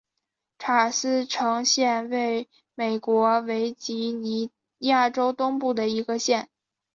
查尔斯城县位美国维吉尼亚州东部的一个县。